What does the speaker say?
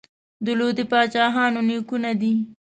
د لودي پاچاهانو نیکونه دي.